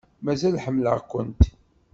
Mazal ḥemmleɣ-kent.